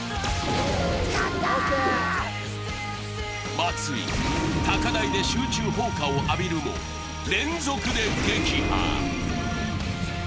松井、高台で集中放火を浴びるも、連続で撃破。